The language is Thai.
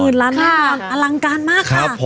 ล้านแน่นอนอลังการมากค่ะ